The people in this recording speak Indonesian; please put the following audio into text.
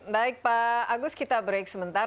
baik pak agus kita break sebentar